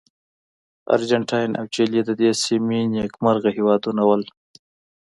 ارجنټاین او چیلي د دې سیمې نېکمرغه هېوادونه وو.